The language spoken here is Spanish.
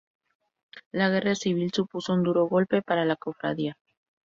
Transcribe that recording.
La Guerra Civil supuso un duro golpe para la cofradía.